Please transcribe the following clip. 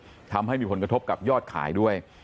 ทำให้มีผลกระทบกับยอดขายด้วย